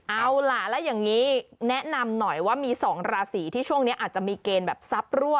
เอาล่ะแล้วอย่างนี้แนะนำหน่อยว่ามี๒ราศีที่ช่วงนี้อาจจะมีเกณฑ์แบบทรัพย์รั่ว